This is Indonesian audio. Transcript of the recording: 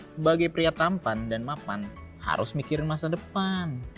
sebagai pria tampan dan mapan harus mikirin masa depan